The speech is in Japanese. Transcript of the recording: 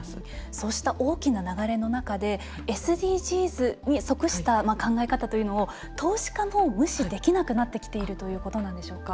そうした大きな流れの中でＳＤＧｓに則した考え方というのを投資家も無視できなくなってきているということなんでしょうか？